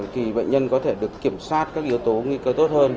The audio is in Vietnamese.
thì bệnh nhân có thể được kiểm soát các yếu tố nguy cơ tốt hơn